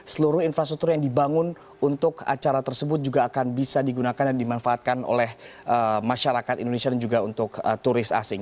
seluruh infrastruktur yang dibangun untuk acara tersebut juga akan bisa digunakan dan dimanfaatkan oleh masyarakat indonesia dan juga untuk turis asing